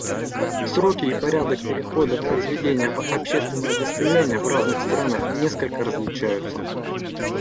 Сроки и порядок перехода произведения в общественное достояние в разных странах несколько различаются.